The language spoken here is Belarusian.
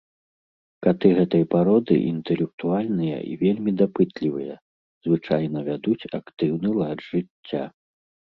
Каты гэтай пароды інтэлектуальныя і вельмі дапытлівыя, звычайна вядуць актыўны лад жыцця.